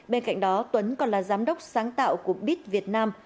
bên cạnh đó tuấn còn là giám đốc sáng tạo của bit việt nam